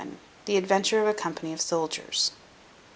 The adventure of a company of soldiers.